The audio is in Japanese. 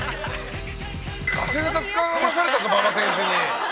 ガセネタつかまされたぞ馬場選手に。